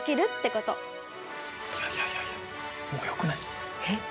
いやいやいやもうよくない？え？